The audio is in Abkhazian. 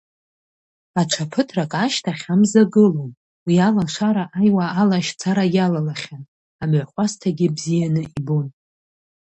Аҽа ԥыҭрак ашьҭахь амза гылон, уи алашара аиуа алашьцара иалалахьан, амҩахәасҭагьы бзианы ибон.